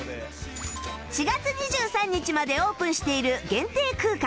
４月２３日までオープンしている限定空間